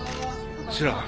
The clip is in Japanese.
知らん。